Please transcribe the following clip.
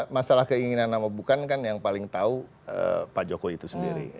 masalah keinginan sama bukan kan yang paling tahu pak jokowi itu sendiri